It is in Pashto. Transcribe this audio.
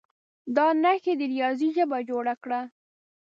دا نښې د ریاضي ژبه جوړه کړه.